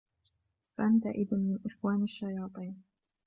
فَأَنْتَ إذًا مِنْ إخْوَانِ الشَّيَاطِينِ